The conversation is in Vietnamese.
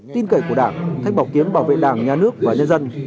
tin cậy của đảng thanh bảo kiếm bảo vệ đảng nhà nước và nhân dân